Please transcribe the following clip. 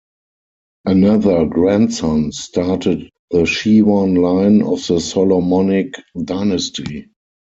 Another grandson started the Shewan line of the Solomonic dynasty.